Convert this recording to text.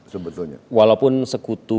sebetulnya walaupun sekutu